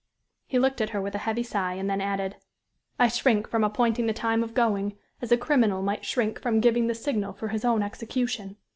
He looked at her with a heavy sigh, and then added: "I shrink from appointing the time of going, as a criminal might shrink from giving the signal for his own execution."